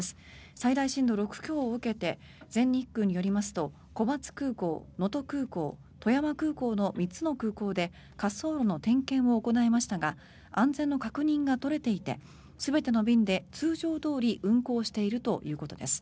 最大震度６強を受けて全日空によりますと小松空港、能登空港富山空港の３つの空港で滑走路の点検を行いましたが安全の確認が取れていて全ての便で通常どおり運航しているということです。